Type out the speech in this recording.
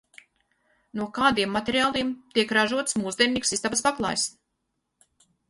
No kādiem materiāliem tiek ražots mūsdienīgs istabas paklājs?